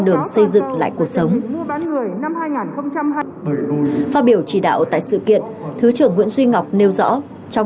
đường xây dựng lại cuộc sống phát biểu chỉ đạo tại sự kiện thứ trưởng nguyễn duy ngọc nêu rõ trong